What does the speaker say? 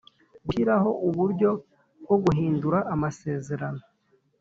Gushyiraho uburyo bwo guhindura amasezerano